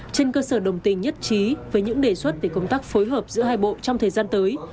trên cơ sở đồng tình nhất trí với những đề xuất về công tác phối hợp giữa hai bộ trong thời gian tới